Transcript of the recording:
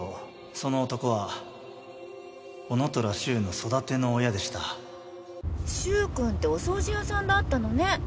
その男は男虎柊の育ての親でした柊くんってお掃除屋さんだったのね。